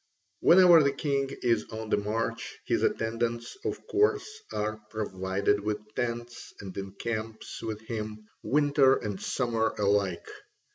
When the king is on the march his attendants, of course, are provided with tents and encamp with him, winter and summer alike.